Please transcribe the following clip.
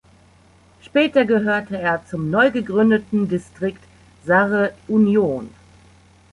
Später gehörte er zum neu gegründeten "Distrikt Sarre-Union".